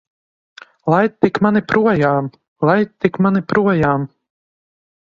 Laid tik mani projām! Laid tik mani projām!